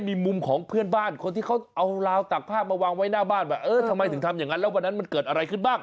มีมุมของเพื่อนบ้านคนที่เขาเอาราวตักผ้ามาวางไว้หน้าบ้านว่าเออทำไมถึงทำอย่างนั้นแล้ววันนั้นมันเกิดอะไรขึ้นบ้าง